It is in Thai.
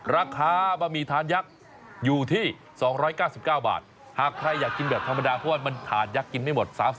ราคาบะหมี่ทานยักษ์อยู่ที่๒๙๙บาทหากใครอยากกินแบบธรรมดาเพราะว่ามันถาดยักษ์กินไม่หมด